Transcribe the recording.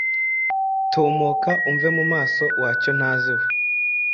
Tumuka umve mu maso wa cyontazi we!